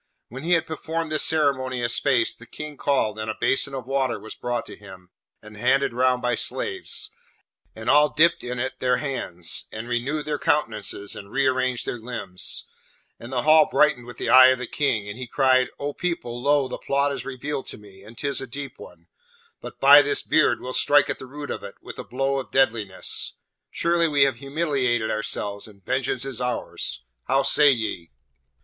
When he had performed this ceremony a space, the King called, and a basin of water was brought to him, and handed round by slaves, and all dipped in it their hands, and renewed their countenances and re arranged their limbs; and the Hall brightened with the eye of the King, and he cried, 'O people, lo, the plot is revealed to me, and 'tis a deep one; but, by this beard, we'll strike at the root of it, and a blow of deadliness. Surely we have humiliated ourselves, and vengeance is ours! How say ye?'